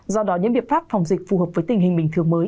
do đó những biện pháp phòng dịch phù hợp với tình hình bình thường mới